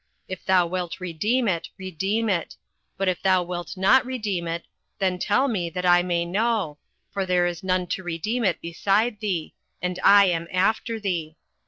If thou wilt redeem it, redeem it: but if thou wilt not redeem it, then tell me, that I may know: for there is none to redeem it beside thee; and I am after thee.